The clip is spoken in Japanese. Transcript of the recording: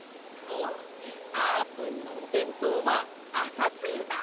おっあーぷんのおべんとうはあさつゆだ！